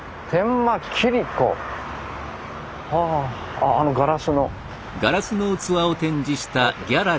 ああのガラスの。